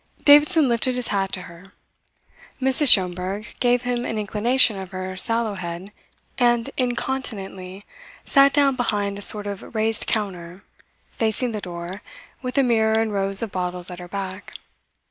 Davidson lifted his hat to her. Mrs. Schomberg gave him an inclination of her sallow head and incontinently sat down behind a sort of raised counter, facing the door, with a mirror and rows of bottles at her back.